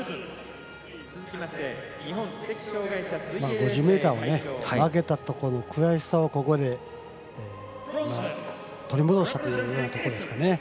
５０ｍに負けたところの悔しさをここで取り戻したというようなところですかね。